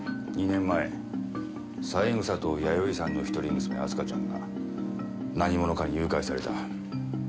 ２年前三枝と弥生さんの一人娘明日香ちゃんが何者かに誘拐された。